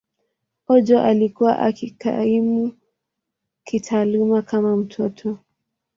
Ojo alikuwa akikaimu kitaaluma kama mtoto.